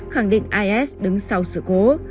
khẳng định is đứng sau sự cố